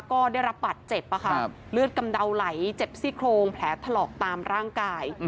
ก็ได้รับบัตรเจ็บเลือดกำเดาไหลเจ็บซี่โครงแผลถลอกตามร่างกาย